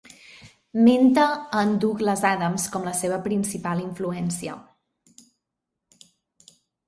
Menta a en Douglas Adams com la seva principal influència.